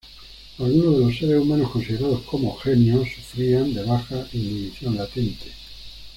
Algunos de los seres humanos considerados como "genios" sufrían de baja inhibición latente.